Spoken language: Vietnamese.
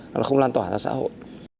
nó không lan tỏa ra xã hội